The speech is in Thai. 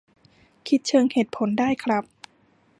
คิดเชิงเหตุผลได้ครับ